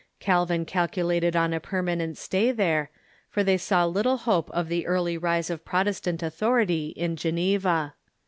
Calvin calculated on a permanent stay there, for they saw little hope of the early rise of Protes tant authority in Geneva.